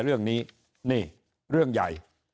เรื่องนี้นี่เรื่องใหญ่